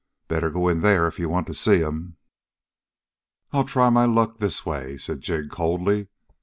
Better go in there if you want to see him." "I'll try my luck this way," said Jig coldly.